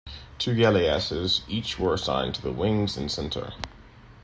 Two galleasses each were assigned to the wings and center.